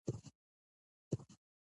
اصلاح ورځپاڼه د څه لپاره ده؟